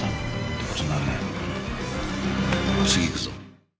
次行くぞ。